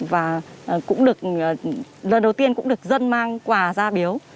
và cũng được lần đầu tiên cũng được dân mang quà ra biếu